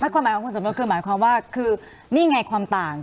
ความหมายของคุณสมยศคือหมายความว่าคือนี่ไงความต่าง